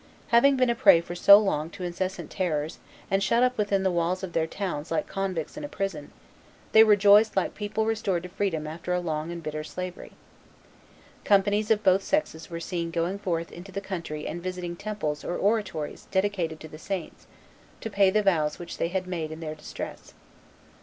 Having been a prey for so long to incessant terrors, and shut up within the walls of their towns like convicts in a prison, they rejoiced like people restored to freedom after a long and bitter slavery. Companies of both sexes were seen going forth into the country and visiting temples or oratories dedicated to the saints, to pay the vows which they had made in their distress.